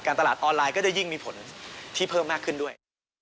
ตลาดออนไลน์ก็จะยิ่งมีผลที่เพิ่มมากขึ้นด้วย